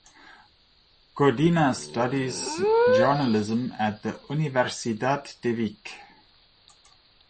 Codina studies journalism at the Universidad de Vic.